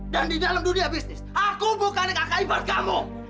dan di dalam dunia bisnis aku bukan kakak ipar kamu